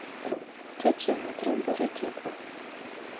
Тэ театрэм бэрэ тэкӏо.